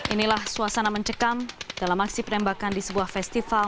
inilah suasana mencekam dalam aksi penembakan di sebuah festival